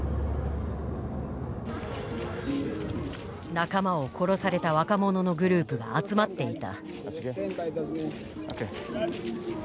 仲間を殺された若者のグループが集まっていた。